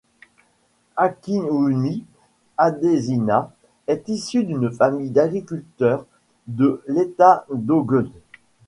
Akinwumi Adesina est issu d'une famille d'agriculteurs de l'état d'Ogun.